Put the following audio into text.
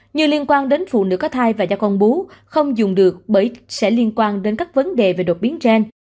như liên quan đến phụ nữ có thai và da con bú không dùng được bởi sẽ liên quan đến các vấn đề về đột biến gen